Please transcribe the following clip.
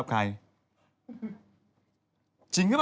อ๋อผู้หญิงเธอไม่สด